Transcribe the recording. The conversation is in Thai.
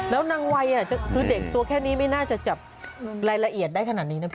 แล้วนางวัยคือเด็กตัวแค่นี้ไม่น่าจะจับรายละเอียดได้ขนาดนี้นะพี่